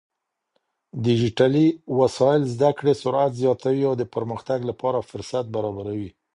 ډيجيټلي وسايل زده کړې سرعت زياتوي او د پرمختګ لپاره فرصت برابروي.